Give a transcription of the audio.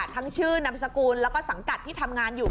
ชื่อนามสกุลแล้วก็สังกัดที่ทำงานอยู่